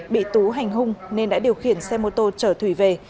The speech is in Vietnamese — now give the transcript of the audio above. bị tú hành hung nên đã điều khiển xe mô tô chở thủy về